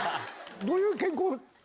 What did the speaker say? どういう健康法？